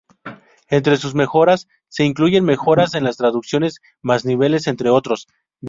Entre sus mejoras se incluyen mejoras en las traducciones, más niveles, entre otros.